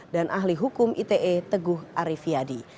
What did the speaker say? dan ahli hukum ite teguh arifiadi